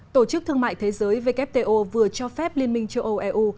tổ chức thương mại thế giới wto vừa cho phép liên minh châu âu eu